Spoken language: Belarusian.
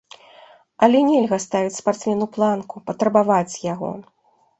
Але нельга ставіць спартсмену планку, патрабаваць з яго.